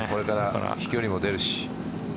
これから飛距離も出るし。